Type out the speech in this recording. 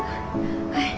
はい。